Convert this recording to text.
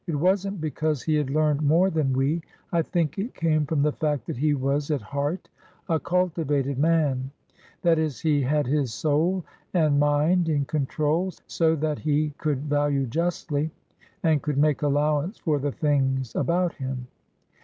It was n't be cause he had learned more than we ; I think it came from the fact that he was at heart a cultivated man; that is, he had his soul and mind in control so that he could value justly, and could make allowance for the things about him.